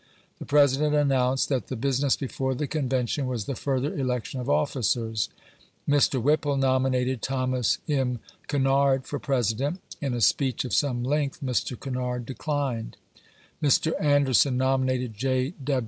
The President announced that the business before the Convention was the further election of officers. Mr. "Whipple nominated Thomas M. Kinnardfor President. In a speech of some length, Mr. Kinnard declined. Mr. Anderson nominated J.